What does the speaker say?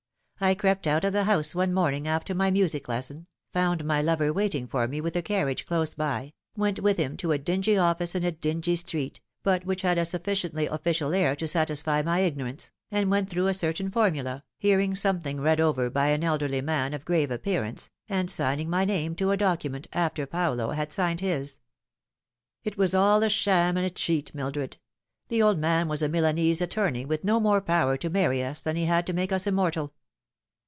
I crept out of the house one morning after my music lesson, found my lover waiting for me with a carriage close by, went with him to a dingy office in a dingy street, but which had a sufficiently official air to satisfy my ignorance, and went through a certain formula, hearing something read over by an elderly man of grave appearance, and signing my name to a document after Paolo had signed his. " It was all a sham and a cheat, Mildred. The old man was a Milanese attorney, with no more power to marry us than he bad to make us immortal.